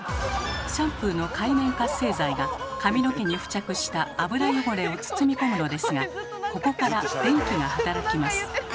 シャンプーの界面活性剤が髪の毛に付着した油汚れを包み込むのですがここから電気が働きます。